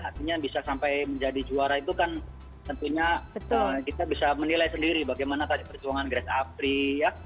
artinya bisa sampai menjadi juara itu kan tentunya kita bisa menilai sendiri bagaimana tadi perjuangan grace apri ya